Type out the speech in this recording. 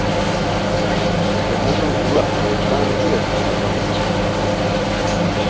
ہتے نانو دورا ہالئے تان بی اسونی ادرختو